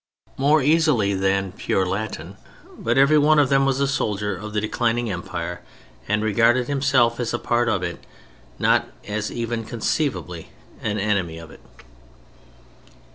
] more easily than pure Latin; but every one of them was a soldier of the declining Empire and regarded himself as a part of it, not as even conceivably an enemy of it.